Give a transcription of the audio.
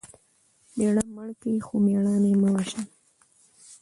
مېړه مړ کى؛ خو مړانه ئې مه وژنئ!